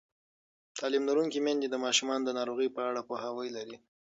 تعلیم لرونکې میندې د ماشومانو د ناروغۍ په اړه پوهاوی لري.